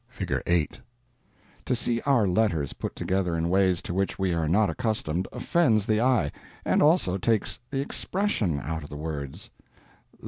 (Figure 8) To see our letters put together in ways to which we are not accustomed offends the eye, and also takes the _expression _out of the words.